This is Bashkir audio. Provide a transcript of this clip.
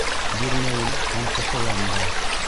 — Бирмәйем һәм ҡыҫылам да.